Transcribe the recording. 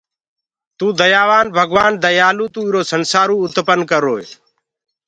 تو ديآ ڀگوآن ديآلو تو ايرو سنسآرو اُتپن ڪروئي